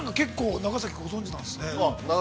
長崎ご存じなんですね。